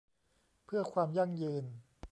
เพื่อความยั่งยืน